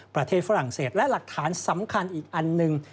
ฝรั่งเศสและหลักฐานสำคัญอีกอันหนึ่ง